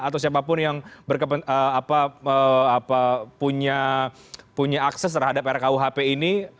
atau siapapun yang punya akses terhadap rkuhp ini